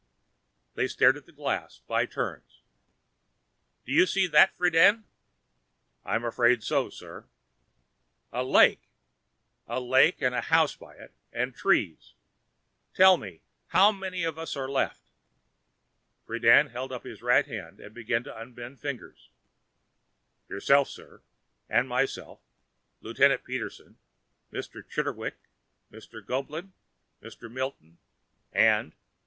They stared at the glass, by turns. "Do you see that, Friden?" "I'm afraid so, sir." "A lake. A lake and a house by it and trees ... tell me, how many of us are left?" Mr. Friden held up his right hand and began unbending fingers. "Yourself, sir, and myself; Lieutenant Peterson, Mr. Chitterwick, Mr. Goeblin, Mr. Milton and...."